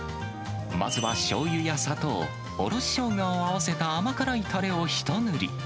まずはしょうゆや砂糖、おろししょうがを合わせた甘辛いたれを一塗り。